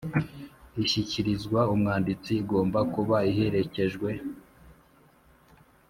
Ishyikirizwa umwanditsi igomba kuba iherekejwe